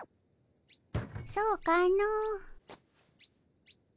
そうかの。